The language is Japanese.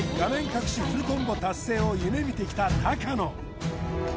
隠しフルコンボ達成を夢見てきた高野